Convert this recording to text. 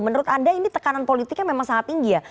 menurut anda ini tekanan politiknya memang sangat tinggi ya